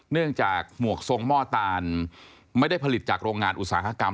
หมวกทรงหม้อตาลไม่ได้ผลิตจากโรงงานอุตสาหกรรม